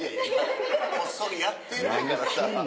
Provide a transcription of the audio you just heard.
こっそりやってんねんからさ。